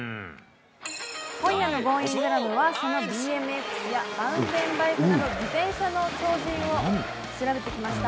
今夜のＧｏｉｎｇｒａｍはそのＢＭＸやマウンテンバイクなど自転車の超人を調べてきました。